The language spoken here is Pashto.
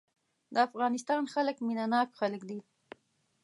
د افغانستان خلک مينه ناک خلک دي.